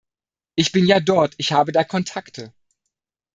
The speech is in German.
Ich bin ja dort, ich habe da Kontakte.